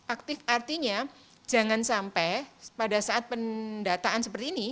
aktif artinya jangan sampai pada saat pendataan seperti ini